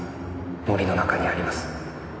森の中にあります。